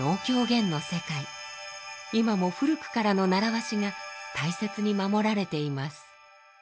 今も古くからの習わしが大切に守られています。